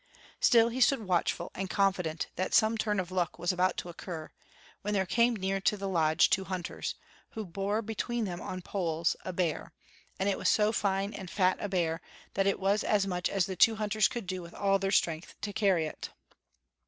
Still he stood watchful and confident that some turn of luck was about to occur, when there came near to the lodge two hunters, who bore between them on poles, a bear; and it was so fine and fat a bear that it was as much as the two hunters could do with all their strength to carry it.